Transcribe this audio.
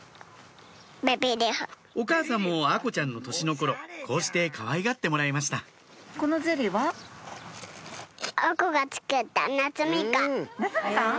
お母さんも愛心ちゃんの年の頃こうしてかわいがってもらいました夏ミカン？